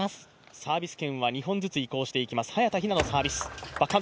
サービス権は２本ずつ移行していきます。